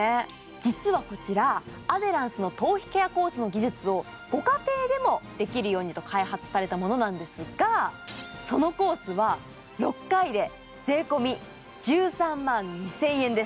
実はこちら、アデランスの頭皮ケアコースの技術をご家庭でもできるようにと開発されたものなんですが、そのコースは６回で税込み１３万２０００円です。